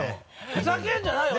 ふざけるんじゃないよ。